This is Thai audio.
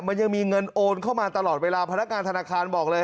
มันยังมีเงินโอนเข้ามาตลอดเวลาพนักงานธนาคารบอกเลย